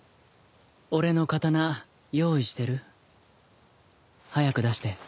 俺の刀用意してる？早く出して。